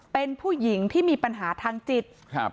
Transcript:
เป็นผู้หญิงที่มีปัญหาทางจิตครับ